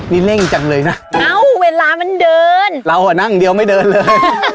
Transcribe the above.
นี่เร่งจังเลยนะเอ้าเวลามันเดินเราอ่ะนั่งเดียวไม่เดินเลย